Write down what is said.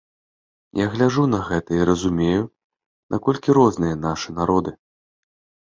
Я гляджу на гэта і разумею, наколькі розныя нашы народы.